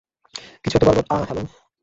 কিছু একটা গড়বড় আ-- হ্যালো?